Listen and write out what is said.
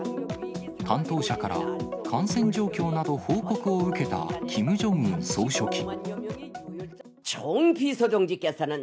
担当者から感染状況など報告を受けたキム・ジョンウン総書記。